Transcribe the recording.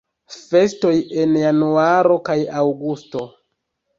Festoj en januaro kaj aŭgusto.